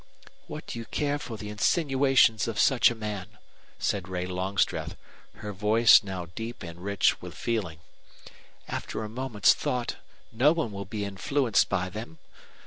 "What do you care for the insinuations of such a man?" said Ray Longstreth, her voice now deep and rich with feeling. "After a moment's thought no one will be influenced by them.